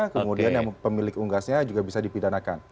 kemudian yang pemilik unggasnya juga bisa dipidanakan